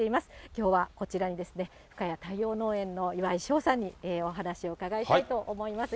きょうは、こちらに深谷太陽農園の岩井翔さんにお話をお伺いしたいと思います。